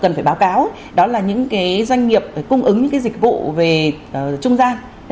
phần phải báo cáo đó là những cái doanh nghiệp cung ứng những cái dịch vụ về trung gian